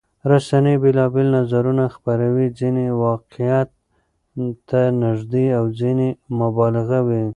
رسنۍ بېلابېل نظرونه خپروي، ځینې واقعيت ته نږدې او ځینې مبالغه وي.